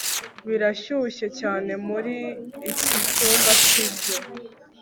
birashyushye cyane muri iki cyumba, sibyo